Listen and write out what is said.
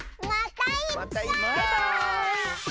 バイバーイ！